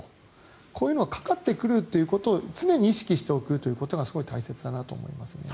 こういうのはかかってくるということを常に意識しておくということがすごい大切だなと思いますね。